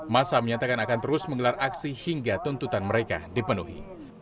masa menyatakan akan terus menggelar aksi hingga tuntutan mereka dipenuhi